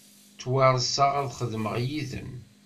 Ttwarseɣ ad xedmeɣ yid-m.